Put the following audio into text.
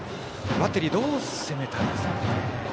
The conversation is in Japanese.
バッテリーどう攻めたいですかね。